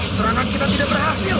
serangan kita tidak berhasil